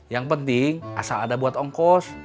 yang penting asal ada buat ongkos